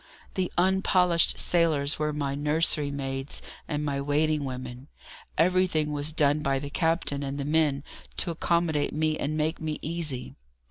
The unpolished sailors were my nursery maids and my waiting women. Everything was done by the captain and the men to accommodate me and make me easy.